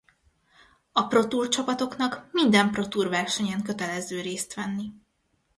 A ProTour-csapatoknak minden ProTour-versenyen kötelező részt venni.